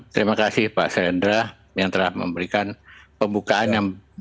terima kasih pak selendra yang telah memberikan pembukaan yang